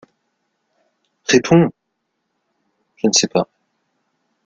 Réponds ! Je ne sais pas.